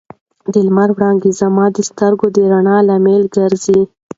د لمر وړانګې زما د سترګو د رڼا لامل ګرځي.